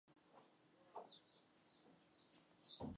科罗拉多级战列舰是美国建造的一种战列舰。